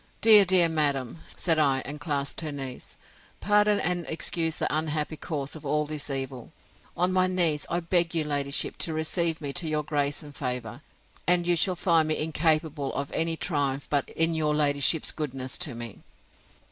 Dear, dear madam, said I, and clasped her knees, pardon and excuse the unhappy cause of all this evil; on my knees I beg your ladyship to receive me to your grace and favour, and you shall find me incapable of any triumph but in your ladyship's goodness to me.